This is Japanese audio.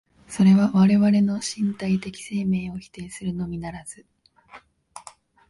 それは我々の身体的生命を否定するのみならず、